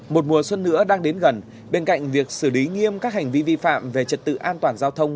một mùa xuân nữa đang đến gần bên cạnh việc xử lý nghiêm các hành vi vi phạm về trật tự an toàn giao thông